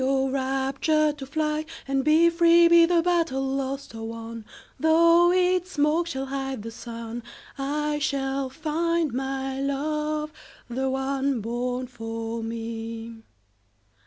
O rapture, to fly And be free! Be the battle lost or won, 5 Though its smoke shall hide the sun, I shall find my love—the one Born for me!